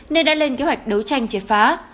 nên đã lên kế hoạch đấu tranh chết phá